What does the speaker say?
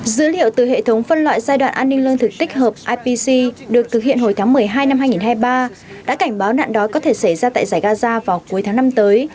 dữ liệu từ hệ thống phân loại giai đoạn an ninh lương thực tích hợp ipc được thực hiện hồi tháng một mươi hai năm hai nghìn hai mươi ba đã cảnh báo nạn đói có thể xảy ra tại giải gaza vào cuối tháng năm tới